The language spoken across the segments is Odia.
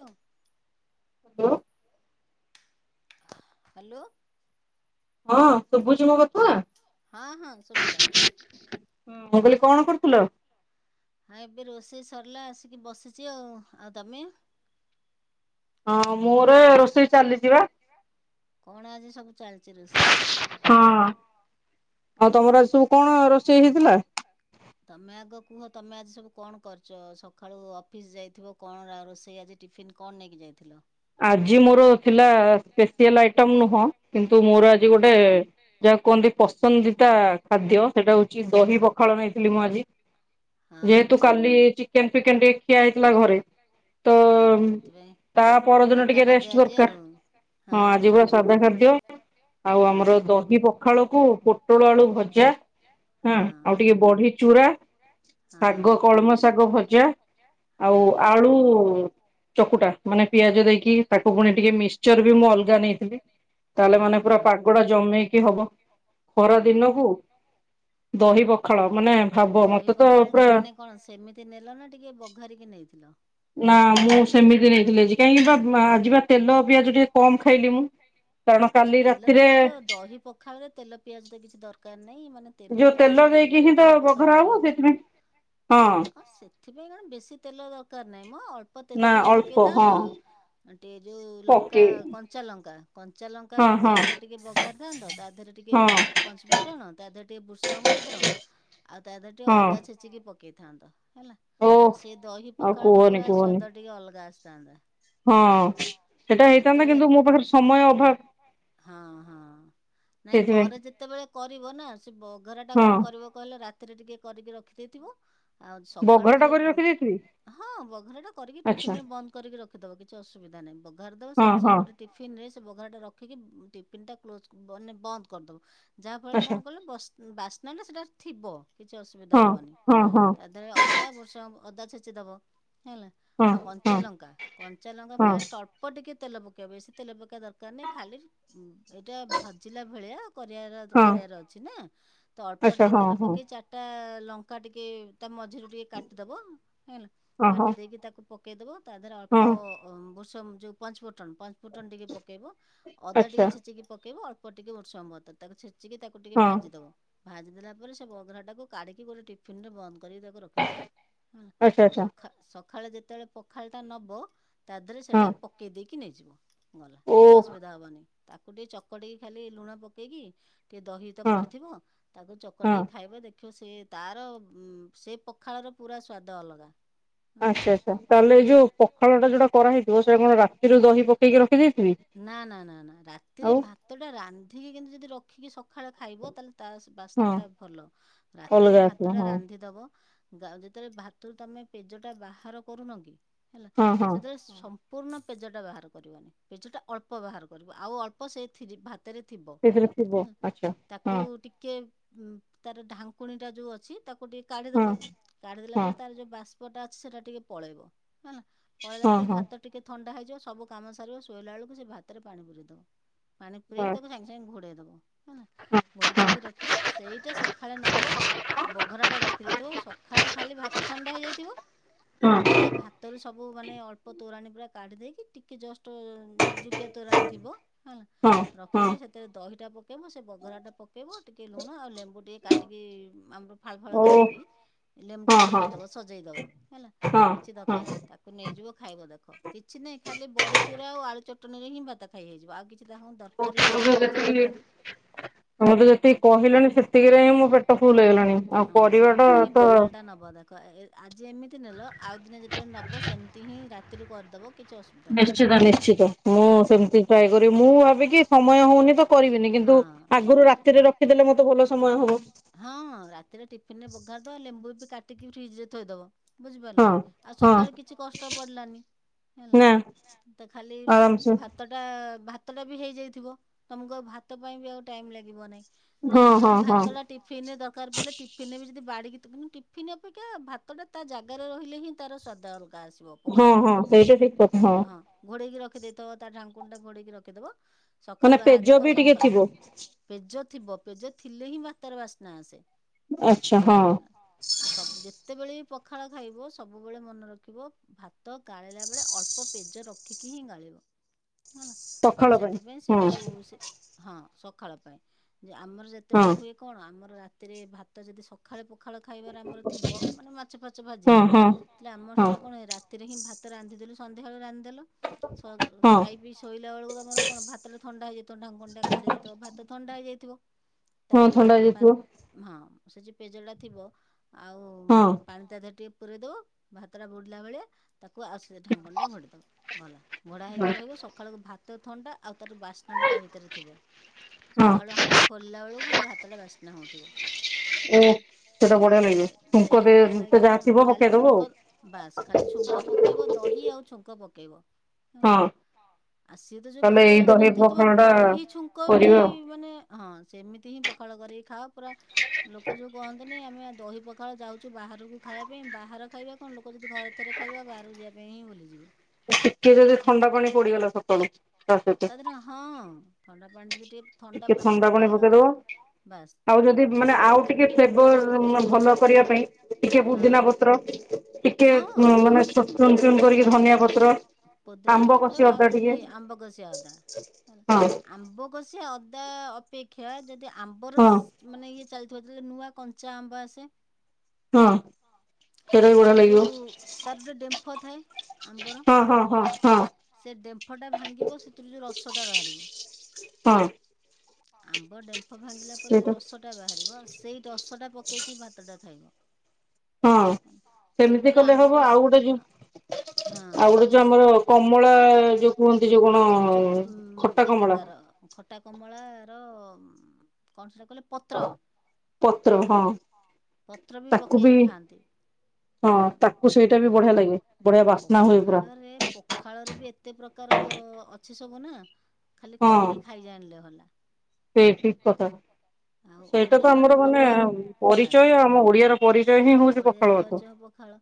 ଅଁ। ତୁ ହାଲୋ। ହଁ ଶୁବୁଚି ମୋ କଥା। ହଁ ହଁ ଶୁଭିଲା ହଁ କହିଲି କଣ କରୁଥୁଲ? ହଁ ଏବେ ରୋଷେଇ ସରିଲା ଆସିକି ବସିଚି ଆଉ ଆଉ ତମେ? ହଁ ମୋର ରୋଷେଇ ଚାଲିଚି ପା। କଣ ଆଜି ସବୁ ଚାଲଚି ରୋଷେଇ? ହଁ ଆଉ ତମର ଆଜି ସବୁ କଣ ରୋଷେଇ ହେଇଥିଲା? ତମେ ଆଗ କୁହ ତମେ ଆଜି ସବୁ କଣ କରଚ ସଖାଳୁ ଅଫିସ ଯାଇଥିବ କଣ ରା ରୋଷେଇ ଆଜି ଟିଫିନ କଣ ନେଇକି ଯାଇଥିଲ? ଆଜି ମୋର ଥିଲା ସ୍ପେସିଆଲ ଆଇଟମ ନୁହଁ କିନ୍ତୁ ମୋର ହଁ। ଆଜି ଗୋଟେ ଯାହାକୁ କୁହନ୍ତି ପସନ୍ଦିତା ଖାଦ୍ୟ ସେଟା ହୋଉଚି ଦହି ପଖାଳ ନେଇଥିଲି ମୁଁ ଆଜି। ହଁ ଯେହେତୁ କାଲି ଚିକେନ ଫିକେନ ଟିକେ ଖିଆ ହେଇଥିଲା ଘରେ ତ ସେଥିପାଇଁ ତା ପରଦିନ ସାଧା ଟିକେ ଖାଦ୍ୟ ରେଷ୍ଟ ଆଜି ଆଉ ଦରକାର ହଁ ଆଜି ପୁରା ସାଧା ଖାଦ୍ୟ। ଆଉ ହଁ। ଆମର ଦହି ପଖାଳକୁ ପୋଟଳ ଆଳୁ ଭଜା ହଁ ଆଉ ଟିକେ କେ ବଢି ଚୁରା। ହଁ ଶାଗ କଳମ ଶାଗ ଭଜା ଆଉ ଆଳୁ ଚକୁୁଟା ମାନ ପିଆ ମାନେ ପିଆଜ ଦେଇକି ତାକୁ ପୁଣି ଟିକେ ମିକ୍ସଚର ବି ମୁଁ ଅଲଗା ନେଇ ତାହେଲେ ମାନେ ପୁରା ପାଗଟା ଜମେଇକି ହବ ଖରା ହଁ। ଦିନକୁ ଦହି ପ ଖାଳ ମାନେ ଭାବ ଦହି ମତେ ତ ପଖାଳ ଟା ପୁରା ମାନେ କଣ ସେମିତି ନେଲ ନା ଟିକେ ବଘାରିକି ନେଇଥିଲ? ନା ମୁଁ ସେମିତି ନେଇଥିଲି ଆଜି କାହିଁକି ବା ଆଜିି ପା ତେଲ ପିଆଜ ଟିକେ କମ ଖାଇଲି ମୁଁ। କାରଣ ନାଇଁ କାଲି ତେଲ ରାତିରେ ପିଆଜ ଦହି ପଖାଳରେ ତେଲ ପିଆଜ ତ କିଛି ଦରକାର ନାଇଁ ମାନେ ଯୋଉ ତେଲ କମରେ ବି ଦେଇକି ହିଁ ତ ଦହି ପଖାଳ ବଘରା ହବ କରିହବ। ସେଥିପାଇଁ ହଁ ସେଥିପାଇଁ କଣ ବେଶୀ ତେଲ ଦରକାର ନାହିଁମ ଅଳ୍ପ ତେଲ ନା ଟିକେ ଅଳ୍ପ ପକେଇଥାନ୍ତ ହଁ ଆଁ ଟିକେ ଯୋଉ ଲଙ୍କା ପକେଇ କଞ୍ଚା ଲଙ୍କା କଞ୍ଚା ଲଙ୍କା ହଁ ଦି ହଁ ଚାରି ଟା ଟିକେ ବଘାରି ଥାଅନ୍ତ, ତା ଦେହରେ ଟିକେ ହଁ ପଞ୍ଚ ପଞ୍ଚୁଫୁଟଣ, ତା ଦେହରେ ଟିକେ ଭୁ ସଙ୍ଗ ପତ୍ର, ଆଉ ତା ଦେହରେ ଟିକେ ହଁ ଅଦା ଛେଚିକି ପକେଇଥାନ୍ତ ହେଲା। ଓ ତ ସେ ଦହି ଆଉ ପଖାଳର କୁହନି ପୁରା କୁହନି। ସ୍ଵାଦ ଟିକେ ଅଲଗା ଆସିଥାନ୍ତା। ହଁ ସେଇଟା ହେଇଥାନ୍ତା ଯେତେବେଳେ କିନ୍ତୁ ମୋ ପାଖରେ ସମୟ ଅଭାବ। ହଁ ହଁ ନାଇଁ ସେଇଥିପାଇଁ ପରେ ଯେତେବେଳେ କରିବ ନା ସେ ବ ଘରା ଟା ହଁ କଣ କରିବ କହିଲ ରାତିରେ ଟିକେ କରିକି ରଖିଦେଇଥିବ। ଆଉ ସକାଳୁ ବଘରଟା ସେ କରି ରଖିଦେଇଥିବି [unintelligible] ହଁ ବଘରାଟା କରିକି ଆଚ୍ଛା ଟିଫିନରେ ବନ୍ଦ କରିକି ରଖ ରଖିଦବ କିଛି ଅସୁବିଧା ନାହିଁ, ବଘାରି ଦବ ହଁ ସାଙ୍ଗେ ହଁ ସାଙ୍ଗେ ଗୋଟେ ଟିଫିନ ରେ ସେ ବଘରା ଟା ରଖିକି ଟିଫିନ ଟା କ୍ଲୋଜ ମାନେ ବନ୍ଦ କରିଦବ। ଯାହା ଫଳରେ ଆଚ୍ଛା କଣ କଲେ ବାସ୍ନା ସେଟା ଥିବ କିଛି ଅସୁବିଧା ହଁ ହବନି। ହଁ ହଁ ତା ଧର ଅଦା ଭୃଷ ଅଦା ଛେଚି ଦେବ ହେଲା। ହଁ ଆଉ ହଁ କଞ୍ଚାଲଙ୍କା କଞ୍ଚାଲଙ୍କା ହଁ ଫାଷ୍ଟ ଅ ଳ୍ପ ଟିକେ ତେଲ ପକେଇବା ବେଶି ତେଲ ପକେଇବା ଦରକାର ନାହିଁ ଖାଲି ଏଇଟା ଭଜିଲା ଭଳିଆ କରିଆର ହଁ କରିଆର ଅଛି ନା ତ ଅଳ୍ପ ଆଚ୍ଛା ଟିକେ ହଁ ତେଲ ହଁ ପକେଇ ଚାରଟା ଲଙ୍କା ଟିକେ ତା ମଝିରୁ ଟିକେ କାଟିଦବ ହେଲା ହଁ କାଟି ହଁ ଦେଇକି ତାକୁ ପକେଇଦବ ତା ଦେହରେ ଅଳ୍ପ ହଁ ବୃଷ ଯୋଉ ପଞ୍ଚଫୁଟନ ପ ଫୁଟଣ ଟିକେ ପକେଇବ ଅଦା ଟିକେ ଆଚ୍ଛା ଛେଚିକି ପକେଇବ ଅଳ୍ପ ଟିକେ ଭୃଶଙ୍ଗ ପତ୍ର ତାକୁ ଛେଚିକି ତା ଟିକେ ହଁ ଭାଜି ଦବ ଭାଜି ଦେଲା ପରେ ସେ ବଘରା ଟାକୁ କାଢିକି ଗୋଟେ ଟିଫିନରେ ବନ୍ଦ କରିକି ତାକୁ ରଖିଦବ। ହେଲା ଆଚ୍ଛା ଆଚ୍ଛା ସଖା ସଖାଳେ ଯେତଅଳେ ପଖାଳଟା ନବ ତା ଦେହରେ ସେଇଟା ହଁ ପକେଇ ଦେଇକି ନେଇଯିବ ଗଲା ଓ କିଛି ଅସୁବିଧା ହବନି। ତାକୁ ଟିକେ ଚକଡିକି ଖାଲି ଲୁଣ ପକେଇକି ଟିକେ ଦହି ତ ହଁ ପଡିଥିବ ତାକୁ ହଁ ଚକଟିକି ଖାଇବେ ଦେଖିବ ସେ ତାର ସେ ପଖାଳର ପୁରା ସ୍ୱାଦ ଅଲଗା। ହ ହୁଁ। ଆଚ୍ଛା ଆଚ୍ଛା ତାଲେ ଏ ଆ- ଯୋଉ ପଖାଳଟା ଯୋଉଟା କରା ହେଇଥିବ ସେଟା କଣ ରାତିରୁ ଦହି ପକେଇକି ରଖି ଦେଇଥିବି? ନା ନା ନା ନା ରାତିରେ ଭାତ ଟା ରାନ୍ଧିକି କିନ୍ତୁ ଯଦି ରଖିକି ସଖାଳେ ଖାଇ ତାଲେ ତା ହଁ ବାସ୍ନା ଟା ଭଲ ରାତିରେ ଅଲଗା ଆସିବ ଭାତ ଟା ହଁ ରାନ୍ଧିଦବ [unintelligible] ଯେତଅଳେ ଭାତୁରୁ ତମେ ପେଜ ଟା ବାହାର କରୁନ କି ହେଲା ହଁ ହଁ ସେତଅଳେ ସ ପୂର୍ଣ୍ଣ ପେଜଟା ବାହାର କରିବନି ପେଜ ଟା ଅଳ୍ପ ବାହାର କରିବ ଆଉ ଅଳ୍ପ ସେ ଥି ଭା ତେ ରେ ଥିବ। ସେଥିରେ ଥିବ ଆଚ୍ଛା। ତା କୁ ହଁ ଟିକେ ତାର ଢାଙ୍କୁଣୀ ଟା ଯୋଉ ଅଛି ତାକୁ ଟିକେ। ହଁ କାଢିଦବ କାଢିଦେଲା ହଁ ପରେ ତାର ଯୋଉ ବାଷ୍ପ ଟା ଅଛି ସେଟା ଟିକେ ପଳେଇବ ହେଲା। ପଳେଇଲା ହଁ ପରେ ହଁ ଭାତ ଟିକେ ଥଣ୍ଡା ହେଇଯିବ ସବୁ କାମ ସାରିବ ଶୋଇଲାଆଳକୁ ସେ ଭାତରେ ପାଣି ପୁରେଇଦବ। ପାଣି ପୁରେଇ ବାସ୍ ତାକୁ ସାଙ୍ଗେ ସାଙ୍ଗେ ଘୋଡେଇ ଦବ। ଘୋଡ଼ି ଦେଇକି ମତେ ରଖିବ ସେଇଟା ସଖାଳେ ନବ ବଘରା ଟା ରଖିଦେଇଥିବ ସଖାଳେ ଖାଲି ଭା ଥଣ୍ଡା ହେଇଯାଇଥିବ ସେତେବେଳେ ଭା ତେବେ ସବୁ ମାନେ ଅଳ୍ପ ତୋରାଣୀ ପୁରା କାଢ଼ି ଦେଇକି ଟିକେ ଜଷ୍ଟ ଯୁକ ଜୁକିଆ ତୋରାଣି ଥିବ ହେଲା ରଖିକି ସେଥିରେ ଦହିଟା ପକେଇବ ସେ ବଘରା ଟା ପକେଇବ ଟିକେ ଲୁଣ ଆଉ ଲେମ୍ବୁ ଟିକେ କାଟିକି [unintelligible] ଫାଳ ଫାଳ କାଟିକି ଲେମ୍ବୁଟା ପକେଇଦବ ଯେତିକି ସଜେଇଦବ ହେଲା କିଛି ଦରକାର ନାହିଁ ତା ଆକୁ ନେଇଯିବ ଖାଇବ ଦେଖ କିଛି ନାହିଁ ଖାଲି ବଡି ଚୁରା ଆଉ ଆଳୁ ଚଟଣିରେ ହିଁ ଭାତ ଖାଇ ହେଇଯିବ ଆଉ କିଛି ତା [unintelligible] ଦର କାର ହିଁ ନାହିଁ କିଛି ତରକାରୀ। ତମେ ତ ହୁଁ। ଯେତିକି କହିଲଣି ସେତିକିରେ ହିଁ ମୋ ପେଟ ଫୁଲ ହେଇଗଲାଣି। ଆଉ ହଁ କରିବାଟା ସେମିତି ହିଁ ତ ପଖାଳ ଟା ନବା ଦ କ ଆଜି ଏମିତି ନେଲ ଆଉ ଦିନେ ଯେତେବେଳେ ନବ ସେମିତିହିଁ ରାତିରୁ କରିଦବ କିଛି ଅସୁ ନିଶ୍ଚିତ ନିଶ୍ଚିତ ମୁଁ ସେମିତି ଟ୍ରାଏ କରିବି ମୁଁ ଭାବିକି ସମୟ ହଉନିତ କରିବିନି କିନ୍ତୁ ହଁ ଆଗରୁ ରାତିରେ ରଖିଦେଲେ ମତେ ଭଲ ସମୟ ହବ ହଁଁ ରାତିରେ ଟିଫିନରେ ପଘିରିଦବ ଲେମ୍ବୁବି କାଟିକି ଫ୍ରିଜରେ ଥୋଇଦବ ହଁ ବୁଝିପାରିଲକି ଆଉ ହଁ ସକାଳୁ କିଛି କଷ୍ଟ ପଡ଼ିଲାନି ହେଲା। ନା ତ ଖାଲି ଭା ଆରାମସେ ଭାତଟା ଭାତଟାବି ହେଇଯାଇଥିବ ତମକୁ ଆଉ ଭାତ ପାଇଁବି ଆଉ ଟାଇମ୍ ଲାଗିବ ନାଇଁ। ତ ହଁ ହଁ ଖାଲି ହଁ ଭାତଟା ଟିଫିନରେ ଦରକାର୍ ପଡ଼ିଲେ ଟିଫିନରେବି ଯଦି ବାଡ଼ିକି କିନ୍ତୁ ଟିଫିନ୍ ଅପେକ୍ଷା ଭାତଟା ତାଜାଗାରେ ରହିଲେହିଁ ତାର ସ୍ୱାଦ ଅଲଗା ଆସି ବ ହଁ ପଖାଳ ହଁ ହେଇକି ସେଇଟା ଠିକ କଥା ହଁ ହଁ ଘୋଡେଇକି ରଖିଦେଇଥ ତାଢାଙ୍କୁଣିଟା ଘୋଡ଼େଇକି ରଖିଦବ ମାନେ ସକାଳୁ ବାହ ପେଜ ଦେଖ ବି ଟିକେ ସକା ଥିବ ପେଜ ଥିବ ପେଜ ଥିଲେହିଁ ଭାତାର ବାସ୍ନା ଆସେ ଆ ଆଚ୍ଛା ହଁ ଆଉ ସ ଯେତେବେଳେବି ପଖାଳ ଖାଇବ ସବୁବେଳେ ମନେ ରଖିବ ଭାତ ଗାଳିଲା ବେଳେ ଅଳ୍ପ ପେଜ ରଖିକିହିଁ ଗାଳିବ। ହେଲା ସକାଳ ପାଇଁ ତସେଥିପାଇଁ ହଁ ସେଯୋଉ ସେ ହଁ ସକାଳ ପାଇଁ ଯେ ଆମର ହଁ ଯେତେବେଳେ ହୁଏ କଣ ଆମର ରାତିରେ ଭାତ ଯଦି ସ ମଖାଳେ ପଖାଳ ଖାଇବାରେ ଆମର ଥିବ ମାନେ ମାଛ ଫାଛ ହଁ ଭାଜିକି ହଁ ତାହଲେ ଆମର ହଁ ସେଟା କଣ ରା ସେତିରେହିଁ ଭାତ ରାନ୍ଧିଦେଲୁ ସନ୍ଧ୍ୟାବେଳୁ ରାନ୍ଧି ଦେଲ ସ ହଁ ଖାଇ ପିଇ ଶୋଇଲା ବେଳକୁ ତମର କଣ ଭାତଟା ଥଣ୍ଡା ହେଇଯଥିବ ଢାଙ୍କୁଣିଟା କାଢି ଯାଇଥିବ ଭାତ ଥଣ୍ଡା ହେଇଯାଇଥିବ ହଁ ତାକୁ ଥଣ୍ଡା ତାଦେହରେ ହେଇଯାଇଥିବ ହଁ ସେଯଉ ପେଜଟା ଥିବ ଆଉ ହଁ ପାଣି ତାଦେହରେ ଟିକେ ପୁରେଇଦଉ ଭାତଟା ବୁଡ଼ିଲା ଭଳିଆ ତାକୁ ଆଉସେ ଢାଙ୍ଗଣିଟା ଘୋଡ଼େଇଦବ ଗଲା ଘୋଡ଼ା ହେଇକି ରହିବ ସକାଳୁ ଭାତ ଥଣ୍ଡା ଆଉ ତାର ବା ସ୍ନାଟା ତାଭିତରେ ଥିବ ହଁ ସକାଳୁ ହାଣ୍ଡି ଖୋଲିଲା ବେଳକୁ ଖାଲି ଭାତଟା ବାସ୍ନା ହେଉଥିବ। ଓ ଓହୋ। ସେଟା ବଢିଆ ଲାଗିବ ସେ ଛୁଙ୍କ ସେଇଟା ଦେ ଭଲ ତ ଯାହା ଲାଗିବନା ଥିବ ଖାଲି ପକେଇଦବ ଛୁଙ୍କ ବାସ୍ ଖାଲି ଛୁଙ୍କ ପକେଇବ ଦହି ଆଉ ଛୁ ଛୁଙ୍କ ପକେଇବ ହେଲା ଆଉ ହଁ ଆଉ ସିଏତ ଯୋଉ ତାହେଲେ ଭାତବି ଏଇ ଦହି ବାସ୍ନହୋଉଥିବ ପଖାଳ ତମ ଟା ଦହି ଛୁଙ୍କବି କରିବା ଆଉ ମାନେ ହଁ ସେମିତିହିଁ ପଖାଳ କରିକି ଖାଅ ପୁରା ଲୋକ ଯୋଉ କୁହନ୍ତିନି ଆମେ ଦହି ପଖାଳ ଯାଉଚୁ ବାହାରକୁ ଖାଇବା ପାଇଁ ବାହାର ଖାଇବା କଣ ଲୋକ ଯଦି ଘରେ ହତରେ ଖାଇବା ବାହାରୁ ଯିବା ପାଇଁହିଁ ଭୁଲିଯିବେ। ଟିକେ ଯଦି ଥଣ୍ଡା ପାଣି ପଡ଼ିଗଲା ସକାଳ ତା ଦେହରେ ହଁ ଥଣ୍ଡା ପାଣି ଯଦି ଟିକେ ଥଣ୍ଡା ପାଣି ମୋକହିବା କଥା ବାସ୍ ଆଉ ଯଦି ମାନେ କିଛି ଆଉ ଟିକେ ଫ୍ଲେବର ଭଲ କରିବା ପାଇଁ ଟିକେ ହଁ ପୁଦିନା ପତ୍ର ଟିକେ ହଁ। ମାନେ ଚୁନ୍ ଚୁନ୍ କରିକି ଧନିଆ ପତ୍ର ପୋଦିନା ଆମ୍ବ ପତ୍ର କଷି ଅଦା ଆଉ ଯୋଉ ଟିକେ ଇଏ ଆମ୍ବ କସିଆଅଦା ହଁ ଆମ୍ବ କୋଷିଆ ଅଦା ଅପେକ୍ଷା ଯଦି ଆମ୍ବର ହଁ ମାନେ ଇଏ ଚାଲିଥିବ ଯେତେଳେ ନୁଆ କଞ୍ଚା ଆମ୍ବ ଆସେ ହଁ। ସେଇଟା ବି ବଢିଆ ତାର ଲାଗିବ ଯୋଉ ତାର ଗୋଟେ ଡେମ୍ଫ ଥାଏ ଆମ୍ବର ହଁ। ହଁ ହଁ ହଁ ସେ ଡେମ୍ଫଟା ଭାଙ୍ଗିବ ସେ ଥିରୁ ଯଉ ରସଟେ ବାହାରୁ ହଁ ଆମ୍ବ ଡମ୍ିଲା ସେଇଟା ଯଉ ରସ ା ବାହାରିବ ସେଇ ରସଟା ପକେଇକି ଭାତଟା ଖାଇବ ହଁ ସେ ସେମିତି ପୁରା କଲେ ଆମ୍ବ ହବ ଆଉ କଷି ଗୋଟେ ଯଉ ହଁ। ଆଉ ଗୋଟେ ଏଯଉ ଆମର କମଳା ଯୋଉ କୁହନ୍ତି ଯୋଉ କଣ ଚୋ ଖଟା ଇଏଟା କମଳା ତାର ଖଟା କମଳାର କଣ ସେଇଟା କଲେ ପତ୍ର ପତ୍ର ହଁ ପତ୍ର ବି ପକେଇକି ଖାଆନ୍ତି। ହଁ ତାକୁ ସେଇଟା ବି ବଢ଼ିଆ ଲାଗେ ବଢ଼ିଆ ବାସ୍ନା ହୁଏ ପୁରା। ଖାଳରେ ବି ଏତେ ପ୍ରକାର ଅଛି। ସବୁ ନା ଖାଲି କରିକି ଖାଇଯାଇଣିଲେ ହେଲା। ସେ ଠିକ୍ କଥା। ଆଉ ସେଇଟା ଓଡ଼ିଆ ତ ଆମର ମାନଙ୍କର ମାନେ ତ ବାସ୍ ପରିଚୟ ଆମ ଓଡ଼ିଆ ର ପରିଚୟ ହିଁ ହଉଛି ପଖାଳ ଭାତ। ଖଳ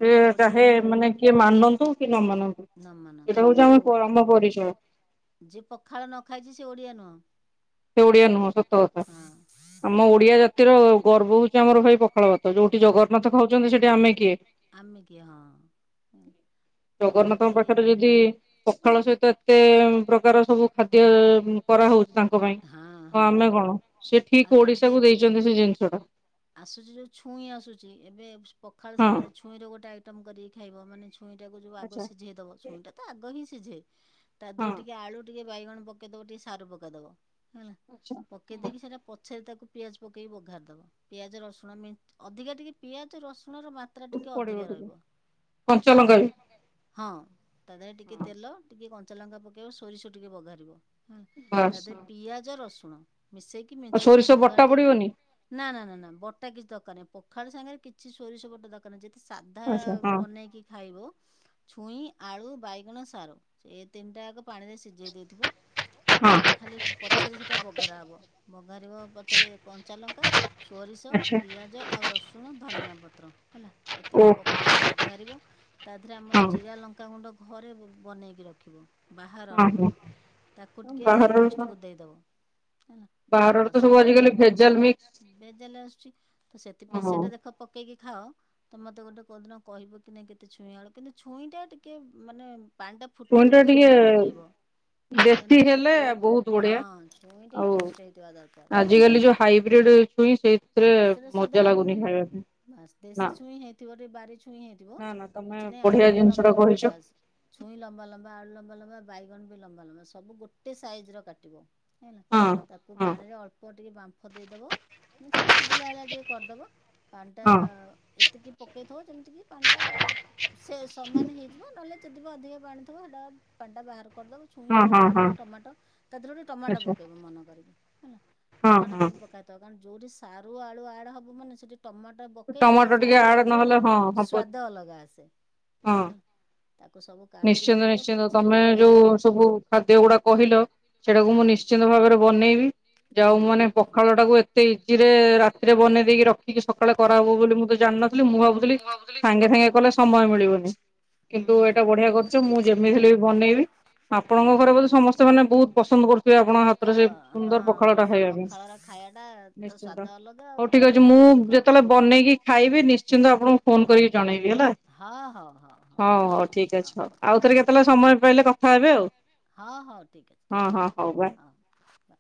ସେ ଓଡ଼ିଆ ଚାହେ ମାନେ କିଏ ମାନନ୍ତୁ କି ମାନନ୍ତୁ ନ ଏଇଟା ମାନନ୍ତୁ ହଉଛି ଆମ ଆଉ ଆମ ପରିଚୟ ଯିଏ ପଖାଳ ନ ଖାଇଛି ସେ ଓଡ଼ିଆ ନୁହଁ। ସେ ଓଡିଆ ନୁହଁ ସତ କଥା ହଁ। ଆମ ଓଡ଼ିଆ ଜାତିର ଗର୍ବ ହଉଛି ଆମର ଭାଇ ପଖାଳ ଭାତ। ତ ଯୋଉଠି ପଖାଳ ଜଗନ୍ନାଥ ଖାଉଛନ୍ତି ସେଠି ଆମେ କିଏ। ଆମେ କିଏ ହଁ କିନ୍ତୁ ଜଗନ୍ନାଥଙ୍କ ଏଇଆ ପାଖରେ ଯଦି ପଖାଳ ସହିତ ଏତେ ପ୍ରକାର ସବୁ ଖାଦ୍ୟ କରାହଉଛି ତାଙ୍କ ପାଇଁ ହଁ ହ ହଁ ଆମେ କଣ ସେ ଆଉ ଠିକ୍ ଏବେ ଓଡ଼ିଶା କୁ ଦେଇଛନ୍ତି ସେ ଜିନିଷ କୁ ଆସୁଛି ଯୋଉ ଛୁଇଁ ଆସୁଛି ଏବେ ପଖାଳ ହଁ। ସାଙ୍ଗରେ ଛୁଇଁ ର ଗୋଟେ ଆଇଟମ କରିକି ଖାଇବ ମାନେ ଛୁଇଁ ଟାକୁ ଯୋଉ ଆଗ ଆଚ୍ଛା। ସିଝେଇଦବ ଛଇଁ ଟା ତ ଆଗ ହିଁ ସିଝେ ତା ହଁ ଦେହରେ ଟିକେ ଆଳୁ ଟିକେ ବାଇଗଣ ପକେଇଦବ ଟିକେ ସାରୁ ପକେଇଦବ ହେଲା। ଆଚ୍ଛା ପକେଇ ଦେଇେକି ସେଟା ପଛରେ ତାକୁ ପିଆଜ ପକେଇ ପଘାରି ଦବ। ପିଆଜ ରସୁଣ ଅଧିକା ଟିକେ ପିଆଜ ରସୁଣର ବା ଯାତ୍ରା ଟିକେ ପଡିବ ଅଧିକା ଟିକେ ରହିବ ହେଲା। କଞ୍ଚା ଲଙ୍କା ବି [unintelligible] ହଁ ତା ଦେହରେ ଟିକେ ତେଲ ଟିକେ କଞ୍ଚା ଲଙ୍କା ପକେଇବ ସୋରିଷ ଟିକେ ପଘାରିବ। ହଁ ତା ବାସ୍ ଦେହେ ଆଉ ପିଆଜ ରସୁଣ ମିଶେଇକି ମିଚେଇକିନି ସୋରିଷ ବଟା ପଘାରି ଦେଇକି ପଡିବନି ନା ନା ନା ନା ବଟା କିଛି ଦରକାର ନାହିଁ। ପଖାଳ ସାଙ୍ଗରେ କିଛି ସୋରିଷ ବଟା ଦ ଯତି ସାଧା ଆଚ୍ଛା ହଁ ବନେଇକି ଖାଇବୁ ଛୁଇଁ, ଆଳୁ, ବାଇଗଣ, ସାରୁ ଏ ତିନିଟା ଯାକ ପାଣିରେ ସିଝେଇ ଦେଇଥିବୁ ହଁ ଆମର ଖାଲି ପଛେରେ ସେଟା ବଘରା ହବ ବଘାରିବ ପଛରେ କଞ୍ଚା ଲଙ୍କା ସୋରିଷ, ଆଚ୍ଛା ପିଆଜ, ଆଉ ରସୁଣ, ଧନିଆ ପତ୍ର ହେଲା ଓ ଏତିକି ପ ପକେଇକି ବଘାରିବ। ତା ଦେହରେ ଆମର ହଁ ଜିରା, ଲଙ୍କାଗୁଣ୍ଡ ଘରେ ବନେଇକି ରଖିବ। ହଁ ବାହାରର ହଁ। ନୁହେଁ, ତାକୁ ଟିକେ ବାହାରର ଲାଷ୍ଟ କୁ ଦେଇଦେବେ। ବାହାରର ତ ସବୁ ଆଜିକାଲି ଭେଜାଲ ମିକ୍ସ ଭେଜାଲ ଆସୁଛି। ତ ସେଥିପାଇଁ ହଁ ସେଇଟା ଦେଖ ପକେଇକି ଖାଅ ତମେ ମତେ ଗୋଟେ କୋଉଦିନ କହିବ କି ନାଇଁ କେତେ ଛୁଇଁ ଆଳୁ କିନ୍ତୁ ଛୁଇଁ ଟା ଟିକେ ମାନେ ପାଣି ଟା ଫୁଟିଥିବ ଛୁଇଁ ଟା ପକେଇବ ଦେଶୀ କାହିଁକିନା ଛୁ ହେଲେ ବହୁତ ହଁ ବଢିଆ ଛୁଇଁ ଟା ଆଉ ଟେଷ୍ଟ ହେଇଥିବା ଦରକାର। ଆଜିକାଲି ଯୋଉ ହାଇବ୍ରିଡ୍ ଛୁଇଁ ସେଇଥିରେ ସେଟା ସ୍ୱାଦ ମଜା ଲାଗୁନି ଖାଇବା ପାଇଁ ନା। ଥିବ ଟିକେ ବାରି ଛୁଇଁ ହେଇଥିବ ନା ନା ତମେ କିଛି ନାଇଁ ଆଳୁ ବଢିଆ ଟିକେ ଜିନିଷ ଲଗ ଟା କହିଛ ବାସ୍ ଛୁଇଁ ଲମ୍ବା ଲମ୍ବା ଆଳୁ ଲମ୍ବା ଲମ୍ବା ବାଇଗଣ ବି ଲମ୍ବା ଲମ୍ବା ସବୁ ଗୋଟେ ସାଇଜ ର କାଟିବ। ହେଲା ହଁ ତାକୁ ହଁ ପାଣିରେ ଅଳ୍ପ ଟିକେ ବାମ୍ଫ ଦେଇଦେବ। ଯେମ୍ତି ସବୁ ସିଝିଲା ଭଳିଆ ଟିକେ କରିଦବ। ପାଣି ଟା ହଁ ଏତିକି ପକେଇଥବ ଯେମିତି କିି ପାଣି ଟା ସେ ସମାନ ହେଇଯିବ। ନହେଲେ ଯଦି ବା ଅଧିକା ପାଣି ଥିବ ସେଟା ପାଣି ଟା ବାହାର କରିଦବ। ଛୁଇଁ, ହଁ ଆଳୁ, ହଁ ହଁ ବାଇଗଣ, ଟମାଟୋ ତା ଦେହରେ ଗୋଟେ ଟମାଟୋ ଆଛା ପକେଇବ ମନ କରିକି ହେଲା ହଁ ଟମାଟୋ ହଁ ଟା ବି ପକା କଣ ଯୋଉଠି ସାରୁ ଆଳୁ ଆଡ୍ ହବ ମାନେ ସେଠି ଟମାଟ ପକେଇଲେ ସେ ଟମାଟୋ ଟିକେ ସାରୁ ଆଡ ଆଳୁ ର ନହେଲେ ହଁ ହବନି ସ୍ଵାଦ ଅଲଗା ଆସେ ହଁ। ହୁଁ। ତାକୁ ସବୁ କାଢିକି ନିଶ୍ଚିନ୍ତ ରଖିବ ନିଶ୍ଚିନ୍ତ ପଛରେ ତମେ ଯୋଉ ବଘାରିବ। ସବୁ ଖାଦ୍ୟ ଗୁଡା କହିଲ। ସେଇଟାକୁ ମୁଁ ହଁ। ନିଶ୍ଚିନ୍ତ ଭାବରେ ବନେଇବି ଯାହା ହଉ ମୁଁ ହଁ। ମାନେ ପ ଖାଳ ଟାକୁ ଏତେ ଇଜି ରେ ରାତିରେ ବନେଇ ଦେଇକି ରଖିକି ସକାଳେ କରାହବ ବୋଲି ମୁଁ ତ ଜାଣିନଥିଲି ମୁଁ ଭାବୁ ଥିଲି ସାଙ୍ଗେ ସାଙ୍ଗେ କଲେ ସମୟ ମିଳିବନି କିନ୍ତୁ ଏ ହୁଁ ଟା ବଢିଆ କରୁଛ ମୁଁ ଯେମିତି ହେଲେ ବି ବନେଇବି। ହଁ। ଆପଣଙ୍କ ଘରେ ବୋଧେ ସମସ୍ତେ ମାନେ ବହୁତ ପସନ୍ଦ କରୁଥିବେ ଆପଣଙ୍କ ହାତରେ ପଖାଳ ସେ ସୁନ୍ଦର ହଁ ହଁ ପଖାଳ ଟା ସେ ଖାଇବା ପାଇଁ। ପଖାଳର ଖାଇବାଟା ତ ସ୍ଵାଦ ନିଶ୍ଚିନ୍ତ ଅଲଗା ଆଉ ହଉ ଠିକ ତମକୁ ଅଛି ମୁଁ ସ୍ୱର୍ଗ ସୁଖ ଆଉ। ଯେତେବେଳେ ବନେଇକି ଖାଇବି ନିଶ୍ଚିନ୍ତ ଆପଣଙ୍କୁ ଫୋନ୍ କରିକି ଜଣେଇବି ହେଲା। ହଁ ହଁ ହଁ। ହଁ ହଉ ଠିକ୍। ଆଛା ଆଉ ଥରେ କେତେବେଳେ ସମୟ ପାଇଲେ କଥା ହେବେ ଆଉ ହଁ ହଉ ଠିକ୍ ଅଛି ହଁ ଠିକ୍ ହଁ ହଉ ବାଏ। ଅଛି ହଉ।